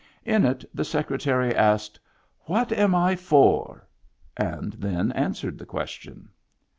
In it the Secretary asked, "What am I for?" and then answered the question.